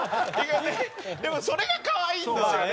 でもそれがかわいいんですよ。